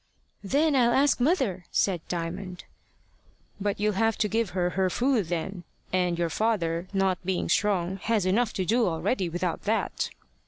"Then I'll ask mother," said Diamond. "But you'll have to give her her food then; and your father, not being strong, has enough to do already without that."